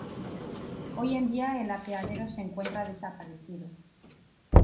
Hoy en día el apeadero se encuentra desaparecido.